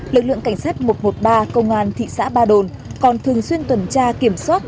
lực lượng cảnh sát một trăm một mươi ba công an thị xã ba đồn còn thường xuyên tuần tra kiểm soát